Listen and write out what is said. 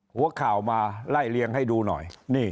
หัวข่าวมาไล่เลียงให้ดูหน่อย